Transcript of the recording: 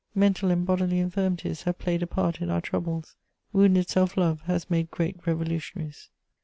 Mental and bodily infirmities have played a part in our troubles: wounded self love has made great revolutionaries.